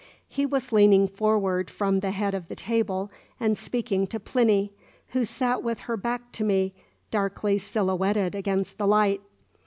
He was leaning forward from the head of the table and speaking to Plinny, who sat with her back to me, darkly silhouetted against the light.